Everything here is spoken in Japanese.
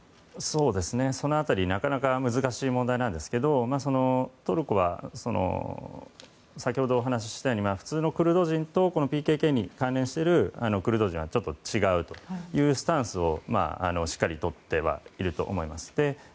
その辺り、なかなか難しい問題なんですけどトルコは先ほどお話ししたように普通のクルド人とこのＰＫＫに関連しているクルド人は違うというスタンスをしっかりとっていると思います。